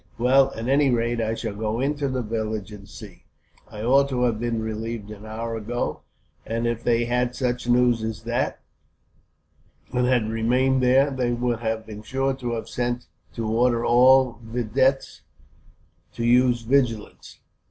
"Well, at any rate I shall go into the village and see. I ought to have been relieved an hour ago; and if they had such news as that, and had remained there, they would have been sure to have sent, to order all videttes to use special vigilance.